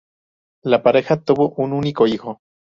La pareja tuvo un único hijo.